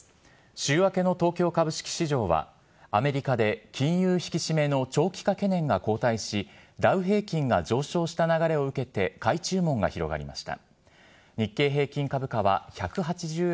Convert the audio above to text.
週明けの東京株式市場は、アメリカで金融引き締めの長期化懸念が後退し、ダウ平均が上昇した流れを受けて、買い注文が広がりました。